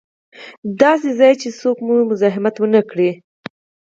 داسې ځای چې څوک مو مزاحمت و نه کړي.